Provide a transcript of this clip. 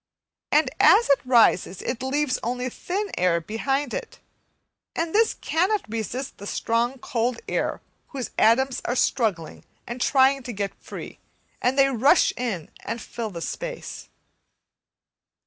and as it rises it leaves only thin air behind it, and this cannot resist the strong cold air whose atoms are struggling and trying to get free, and they rush in and fill the space.